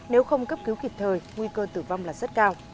nếu không cấp cứu kịp thời nguy cơ tử vong là rất cao